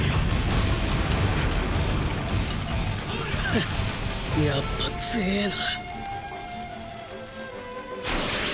フンやっぱ強えな。